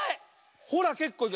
ほらけっこういく。